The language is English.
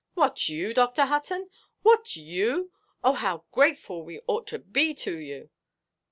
"What you, Dr. Hutton! What you! Oh, how grateful we ought to be to you."